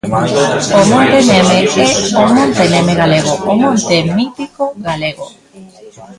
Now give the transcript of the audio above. O Monte Neme é o "Monte Neme galego", o monte mítico galego.